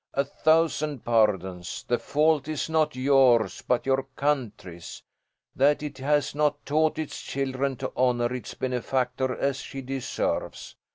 "A thousand pardons! The fault is not yours, but your country's, that it has not taught its children to honour its benefactor as she deserves.